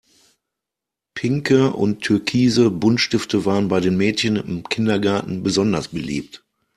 Pinke und türkise Buntstifte waren bei den Mädchen im Kindergarten besonders beliebt.